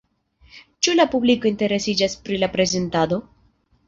Ĉu la publiko interesiĝas pri la prezentado?